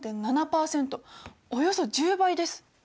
およそ１０倍です。